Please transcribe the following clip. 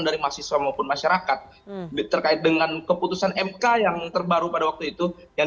dari mahasiswa maupun masyarakat terkait dengan keputusan mk yang terbaru pada waktu itu yang